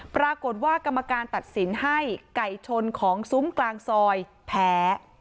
ปรากฏว่ากรรมการตัดสินให้ไก่ชนของซุ้มกลางซอยแพ้